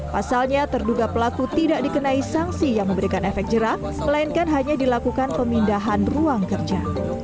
pasalnya terduga pelaku tidak dikenai sanksi yang memberikan efek jerah melainkan hanya dilakukan pemindahan ruang kerja